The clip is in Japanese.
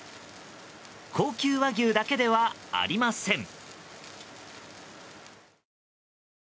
高級和牛だけではありません。